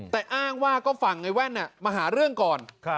แต่อ้างว่าก็ฝั่งในแว่นมาหาเรื่องก่อน